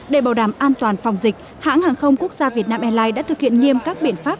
để bảo đảm an toàn phòng dịch hãng hàng không quốc gia việt nam airlines đã thực hiện nghiêm các biện pháp